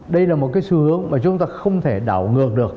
đây là một cái xu hướng mà chúng ta không thể đảo ngược được